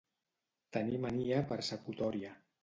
Tenir mania persecutòria.